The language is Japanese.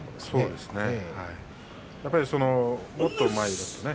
そうですね。